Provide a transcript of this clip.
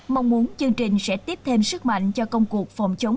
mong muốn chương trình sẽ tiếp thêm sức mạnh cho công cuộc phòng chống